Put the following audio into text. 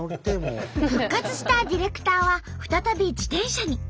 復活したディレクターは再び自転車に。